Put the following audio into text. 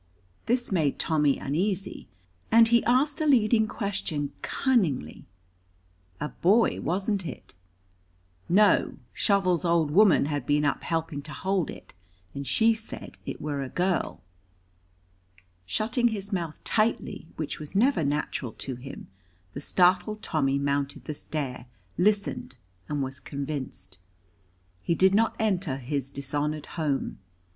This made Tommy uneasy, and he asked a leading question cunningly. A boy, wasn't it? No, Shovel's old woman had been up helping to hold it, and she said it were a girl. Shutting his mouth tightly; which was never natural to him, the startled Tommy mounted the stair, listened and was convinced. He did not enter his dishonored home.